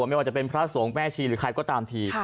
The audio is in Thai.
ไม่ว่าจะเป็นพระสงฆ์แม่ชีหรือใครก็ตามที